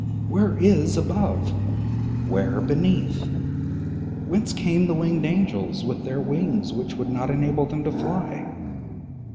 Where is above? Where beneath? Whence came the winged angels, with their wrings which would not enable them to fly?